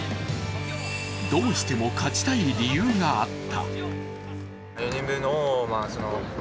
どうしても勝ちたい理由があった。